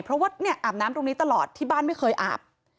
เพราะว่าเนี่ยอาบน้ำตรงนี้ตลอดที่บ้านไม่เคยอาบ